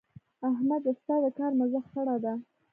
احمده؛ ستا د کار مزه خړه ده.